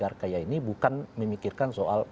arkaya ini bukan memikirkan soal